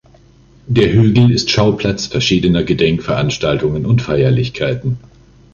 Der Hügel ist Schauplatz verschiedener Gedenkveranstaltungen und Feierlichkeiten.